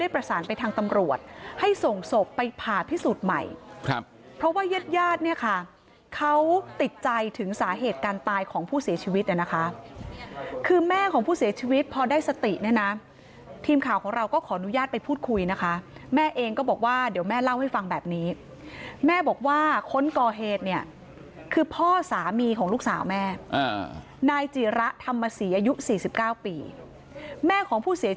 ประสบไปผ่าพิสูจน์ใหม่เพราะว่าเย็ดเนี่ยค่ะเขาติดใจถึงสาเหตุการณ์ตายของผู้เสียชีวิตนะคะคือแม่ของผู้เสียชีวิตพอได้สตินะทีมข่าวของเราก็ขออนุญาตไปพูดคุยนะคะแม่เองก็บอกว่าเดี๋ยวแม่เล่าให้ฟังแบบนี้แม่บอกว่าคนกอเหตุเนี่ยคือพ่อสามีของลูกสาวแม่นายจีระธรรมสีอายุ๔๙ปีแม่